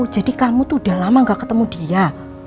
jadi kamu tuh udah lama nggak ketemu dia